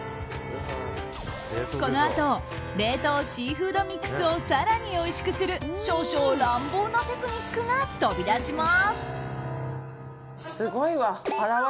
このあと冷凍シーフードミックスを更においしくする、少々乱暴なテクニックが飛び出します。